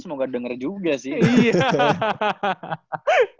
semoga denger juga sih